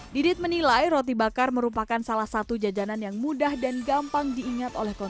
didit menilai roti bakar merupakan salah satu jajanan yang mudah dan gampang diinginkan